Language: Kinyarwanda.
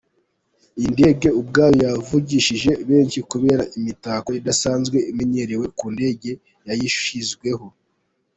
Iyi ndege ubwayo yavugishije benshi kubera imitako idasanzwe imenyerewe ku ndege yayishyizweho.